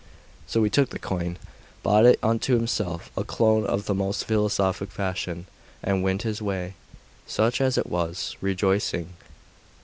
So he took the coin, bought unto himself a cloak of the most philosophic fashion, and went his way, such as it was, rejoicing.